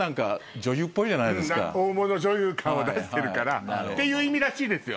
大物女優感を出してるからっていう意味らしいですよ。